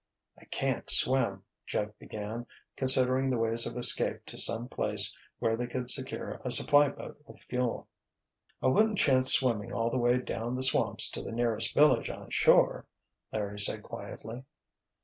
"I can't swim," Jeff began, considering the ways of escape to some place where they could secure a supply boat with fuel. "I wouldn't chance swimming all the way down the swamps to the nearest village on shore," Larry said quietly.